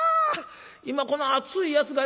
今この熱いやつがね